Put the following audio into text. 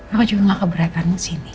aku juga gak keberatan sini